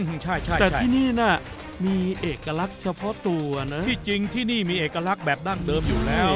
ใช่แต่ที่นี่น่ะมีเอกลักษณ์เฉพาะตัวนะที่จริงที่นี่มีเอกลักษณ์แบบดั้งเดิมอยู่แล้ว